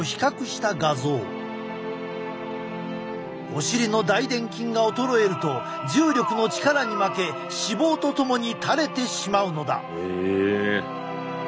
お尻の大でん筋が衰えると重力の力に負け脂肪と共にたれてしまうのだ。